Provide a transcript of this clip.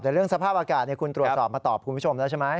แต่เรื่องสภาพอากาศคุณตรวจสอบมาตอบคุณผู้ชมแล้วใช่ไหม